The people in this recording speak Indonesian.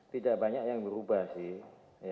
tidak banyak yang berubah sih